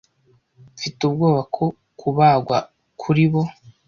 mfite ubwoba ko kubagwa kuri bo